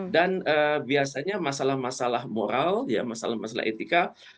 dan biasanya masalah masalah moral masalah masalah etika